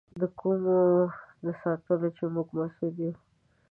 د کومو د ساتلو چې موږ مسؤل یو.